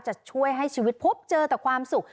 จะช่วยให้ชีวิตพบเจอแต่ความสุข